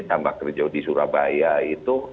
tambah kerja di surabaya itu